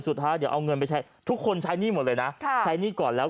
สุดท้ายเดี๋ยวเอาเงินไปใช้ทุกคนใช้หนี้หมดเลยนะใช้หนี้ก่อนแล้ว